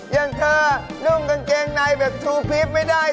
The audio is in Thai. อย่างเธอนุ่งกางเกงในแบบชูพีฟไม่ได้